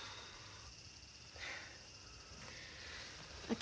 私